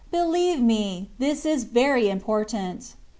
Believe me, this is very important.